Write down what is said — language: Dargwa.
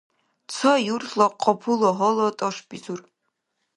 Ца юртла къапула гьала тӀашбизур.